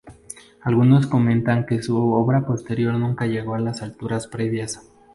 Algunos comentan que su obra posterior nunca llegó a las alturas previas.